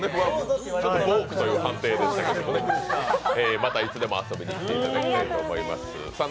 ちょっとフォークという判定でしたけども、またいつでも遊びに来ていただきたいと思います。